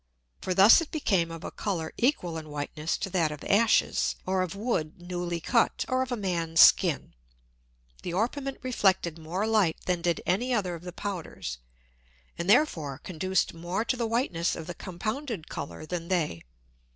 For thus it became of a Colour equal in Whiteness to that of Ashes, or of Wood newly cut, or of a Man's Skin. The Orpiment reflected more Light than did any other of the Powders, and therefore conduced more to the Whiteness of the compounded Colour than they.